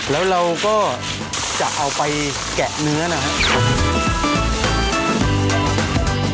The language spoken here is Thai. แล้วเราก็จะเอาไปแกะเนื้อนะครับ